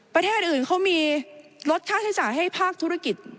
ประเทศอื่นเขามีลดค่าใช้จ่ายให้ภาคธุรกิจ